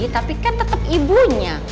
tapi kan tetep ibunya